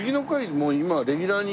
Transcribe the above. もう今レギュラーに。